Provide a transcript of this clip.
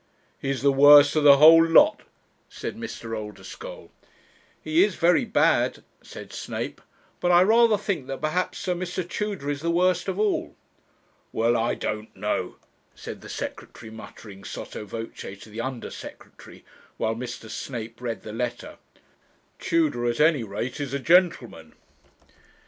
'He's the worst of the whole lot,' said Mr. Oldeschole. 'He is very bad,' said Snape; 'but I rather think that perhaps, sir, Mr. Tudor is the worst of all.' 'Well, I don't know,' said the Secretary, muttering sotto voce to the Under Secretary, while Mr. Snape read the letter 'Tudor, at any rate, is a gentleman.'